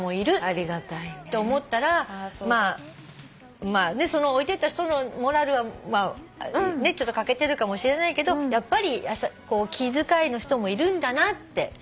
ありがたいね。と思ったら置いてった人のモラルは欠けてるかもしれないけど気遣いの人もいるんだなってすごく思って。